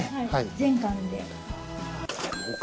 全館で。